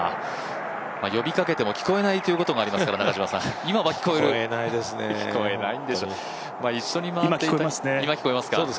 呼びかけても聞こえないということがありますから聞こえますね。